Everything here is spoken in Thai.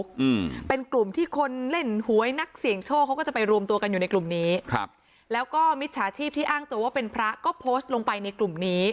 อืมเป็นกลุ่มที่คนเล่นหวยนักเสี่ยงโชคเขาก็จะไปรวมตัวกันอยู่ในกลุ่มนี้ครับแล้วก็มิจฉาชีพที่อ้างตัวว่าเป็นพระก็โพสต์ลงไปในกลุ่มนี้